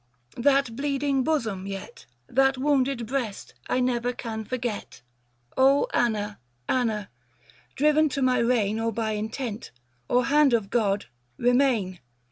That bleeding bosom, yet — That wounded breast I never can forget. Anna, Anna, driven to my reign Or by intent, or hand of God, remain.